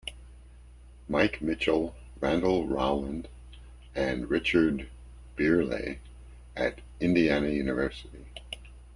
Mike Mitchell, Randall Rowland, and Richard Bihrle at Indiana University.